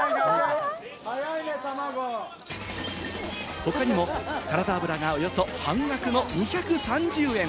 他にもサラダ油がおよそ半額の２３０円。